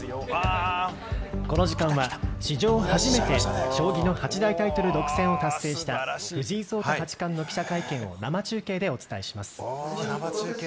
この時間は、史上初めて将棋の八大タイトルを独占した、藤井聡太八冠の記者会見を生中継でお伝えします。